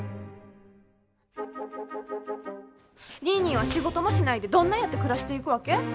ニーニーは仕事もしないでどんなやって暮らしていくわけ？